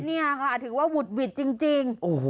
นี่ค่ะถือว่าหุดหวิดจริง